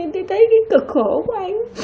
thì thấy cái cực khổ của anh